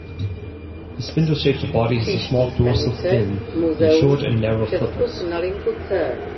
The spindle-shaped body has a small dorsal fin and short and narrow flippers.